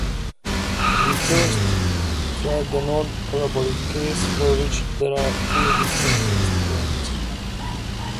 We first treat the non-parabolic case, for which there are two distinct fixed points.